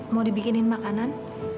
mau dibikinin makanan